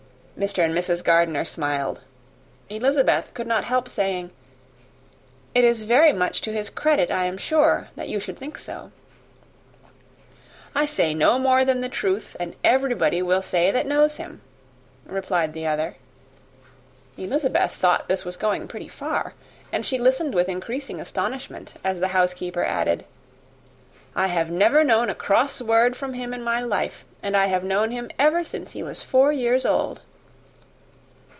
Mr. and Mrs. Gardiner smiled. Elizabeth could not help saying, "It is very much to his credit, I am sure, that you should think so." "I say no more than the truth, and what everybody will say that knows him," replied the other. Elizabeth thought this was going pretty far; and she listened with increasing astonishment as the housekeeper added, "I have never had a cross word from him in my life, and I have known him ever since he was four years old."